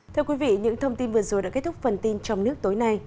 thưa quý vị những thông tin vừa rồi đã kết thúc phần tin trong nước tối nay